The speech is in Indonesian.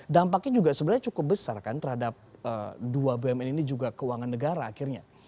dampaknya juga sebenarnya cukup besar kan terhadap dua bumn ini juga keuangan negara akhirnya